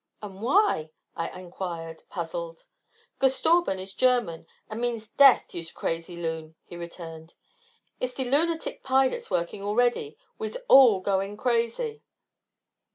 "And why?" I inquired, puzzled. "Gestorben is German and means death, yuse crazy loon!" he returned. "It's de lunatic pie dat's workin' already; wese all goin' crazy."